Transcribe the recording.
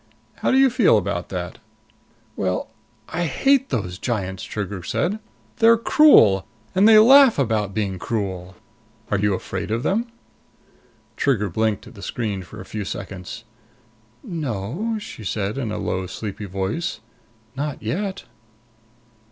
"How do you feel about that?" "Well I hate those giants!" Trigger said. "They're cruel. And they laugh about being cruel." "Are you afraid of them?" Trigger blinked at the screen for a few seconds. "No," she said in a low, sleepy voice. "Not yet."